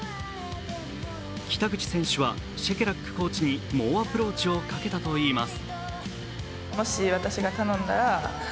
北口選手はシェケラックコーチに猛アプローチをかけたといいます。